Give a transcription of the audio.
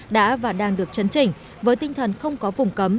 đã và đang được chấn chỉnh với tinh thần không có vùng cấm